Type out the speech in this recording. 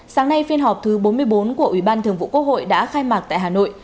sáng nay phiên họp thứ bốn mươi bốn của ủy ban thường vụ quốc hội đã khai mạc tại hà nội